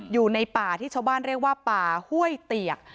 อยู่ในป่าที่ชาวบ้านเรียกว่าป่าห้วยเตียก